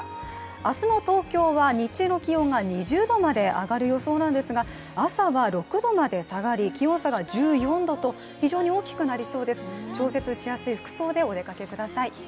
明日の東京は日中の気温が２０度まで上がる予想ですが、朝は６度まで下がり、気温差が１４度と非常に大きくなりそうです、調節しやすい服装でお出かけください。